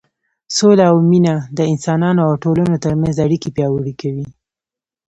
سوله او مینه د انسانانو او ټولنو تر منځ اړیکې پیاوړې کوي.